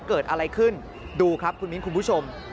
เกิดอะไรขึ้นดูครับคุณมิ้นคุณผู้ชม